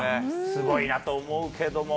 すごいなと思うけども。